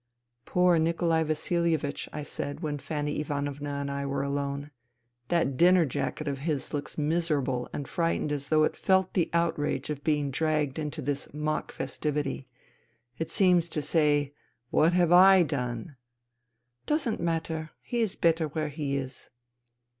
" Poor Nikolai Vasilievich I I said when Fanny Ivanovna and I were alone. " That dinner jacket of his looks miserable and frightened as though it felt the outrage of being dragged into this mock festivity. It seems to say :' What have I done ?'"" Doesn't matter. He is better where he is.